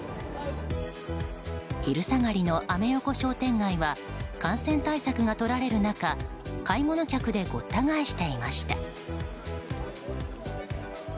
昼下がりのアメ横商店街は感染対策がとられる中買い物客でごった返していました。